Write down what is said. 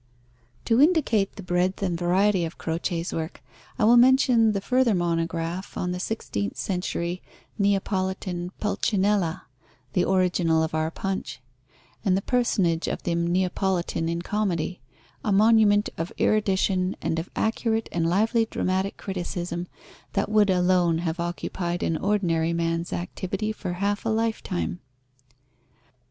To indicate the breadth and variety of Croce's work I will mention the further monograph on the sixteenth century Neapolitan Pulcinella (the original of our Punch), and the personage of the Neapolitan in comedy, a monument of erudition and of acute and of lively dramatic criticism, that would alone have occupied an ordinary man's activity for half a lifetime.